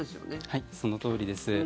はい、そのとおりです。